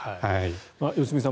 良純さん